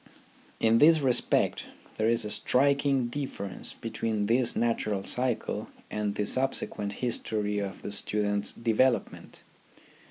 In this respect there is a striking difference between this natural cycle and the subsequent history of the student's development.